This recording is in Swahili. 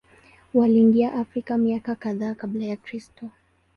Waliingia Afrika miaka kadhaa Kabla ya Kristo.